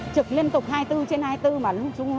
trực liên tục hai mươi bốn trên hai mươi bốn